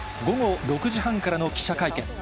午後６時半からの記者会見。